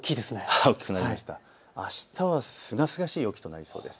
あしたはすがすがしい陽気となりそうです。